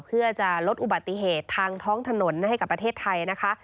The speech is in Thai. เพื่อจะลดอุบัติเหตุทางท้องถนนให้กับประเทศไทยนะคะ